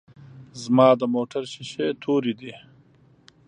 ځما دموټر شیشی توری دی.